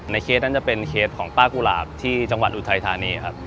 เคสนั้นจะเป็นเคสของป้ากุหลาบที่จังหวัดอุทัยธานีครับ